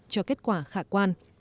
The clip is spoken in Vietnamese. cho kết quả khả quan